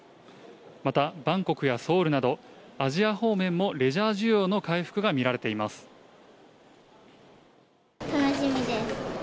また、バンコクやソウルなど、アジア方面もレジャー需要の回復楽しみです。